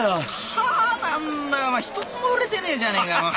かっ何だお前一つも売れてねえじゃねえか。